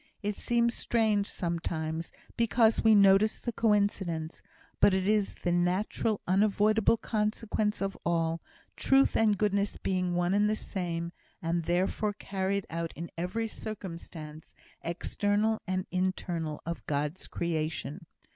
It seems strange sometimes, because we notice the coincidence; but it is the natural, unavoidable consequence of all truth and goodness being one and the same, and therefore carried out in every circumstance, external and internal, of God's creation.